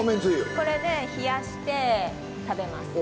これで冷やして食べます。